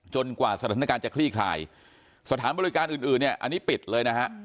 กว่าสถานการณ์จะคลี่คลายสถานบริการอื่นอื่นเนี่ยอันนี้ปิดเลยนะฮะ